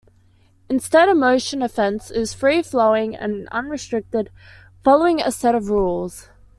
Instead, a motion offense is free-flowing and unrestricted, following a set of rules.